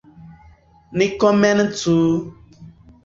Ni komencu!